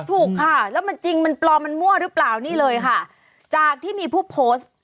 ถูกค่ะแล้วมันจริงมันปลอมมันมั่วหรือเปล่านี่เลยค่ะจากที่มีผู้โพสต์